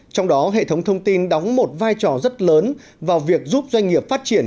trong đó hệ thống thông tin đóng một vai trò rất lớn vào việc giúp doanh nghiệp phát triển